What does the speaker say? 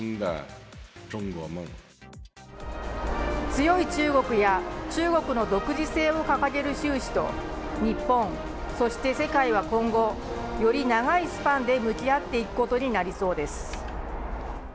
強い中国や中国の独自性を掲げる習氏と日本、そして世界は今後、より長いスパンで向き合っていくことになりそうです。